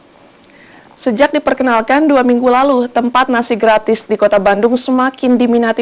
hai sejak diperkenalkan dua minggu lalu tempat nasi gratis di kota bandung semakin diminati